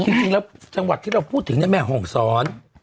จริงแล้วจังหวัดที่เราพูดถึงแม่ห่องซ้อน